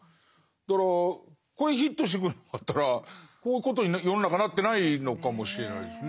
だからこれヒットしてくれなかったらこういうことに世の中なってないのかもしれないですね。